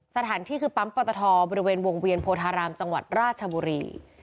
สถานที่คือปั๊มปตทบริเวณวงเวียนโพธารามจังหวัดราชบุรี